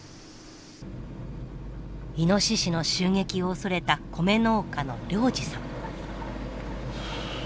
イノシシの襲撃を恐れた米農家の良治さん。